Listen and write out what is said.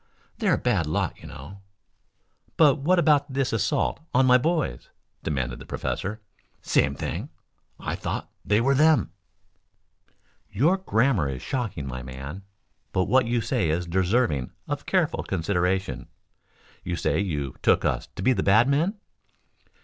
They're a bad lot, you know." "But what about this assault on my boys?" demanded the professor. "Same thing. I thought they were them." "Your grammar is shocking, my man, but what you say is deserving of careful consideration. You say you took us to be bad men?"